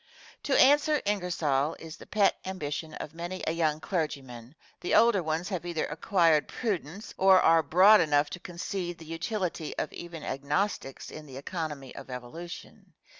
"To answer Ingersoll" is the pet ambition of many a young clergyman the older ones have either acquired prudence or are broad enough to concede the utility of even Agnostics in the economy of evolution.